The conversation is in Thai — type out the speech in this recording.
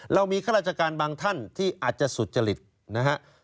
เรามีข้าราชการบางท่านที่อาจจะสุจริตนะฮะ